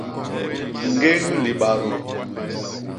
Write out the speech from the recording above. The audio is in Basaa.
Ñgéñ libadô.